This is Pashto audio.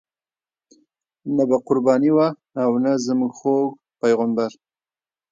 نه به قرباني وه او نه زموږ خوږ پیغمبر.